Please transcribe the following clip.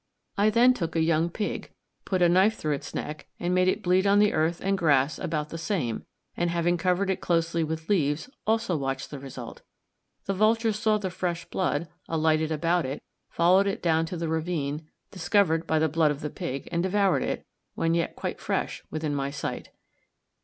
"I then took a young pig, put a knife through its neck, and made it bleed on the earth and grass about the same, and, having covered it closely with leaves, also watched the result. The vultures saw the fresh blood, alighted about it, followed it down into the ravine, discovered by the blood of the pig, and devoured it, when yet quite fresh, within my sight."